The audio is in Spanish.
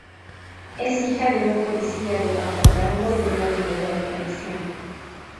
Es hija de un policía de bajo rango y de una vendedora comerciante.